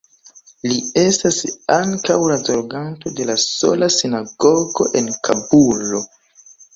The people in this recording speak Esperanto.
Li estas ankaŭ la zorganto de la sola sinagogo en Kabulo.